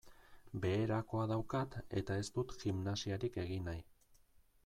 Beherakoa daukat eta ez dut gimnasiarik egin nahi.